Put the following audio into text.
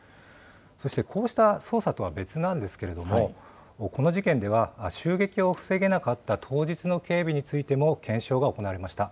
そして、こうした捜査とは別なんですけれども、この事件では銃撃を防げなかった当日の警備についても、検証が行われました。